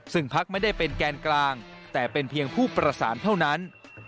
ซึ่งพักไม่ได้เป็นแกนกลางแต่เป็นเพียงผู้ประสานเท่านั้น